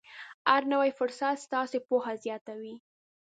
هر نوی فرصت ستاسې پوهه زیاتوي.